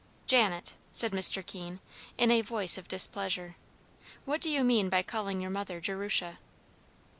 "Janet," said Mr. Keene, in a voice of displeasure, "what do you mean by calling your mother 'Jerusha'?"